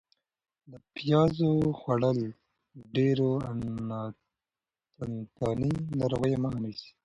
د پیازو خوړل د ډېرو انتاني ناروغیو مخه نیسي.